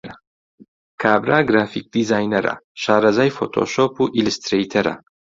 کابرا گرافیک دیزاینەرە، شارەزای فۆتۆشۆپ و ئیلسترەیتەرە.